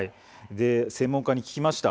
専門家に聞きました。